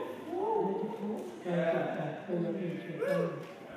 โดยเฉพาะการส่งออกไปยังเอเชียใต้